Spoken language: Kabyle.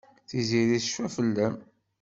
Tiziri tecfa fell-am.